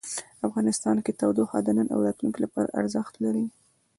افغانستان کې تودوخه د نن او راتلونکي لپاره ارزښت لري.